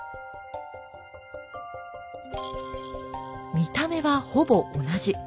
見た目はほぼ同じ。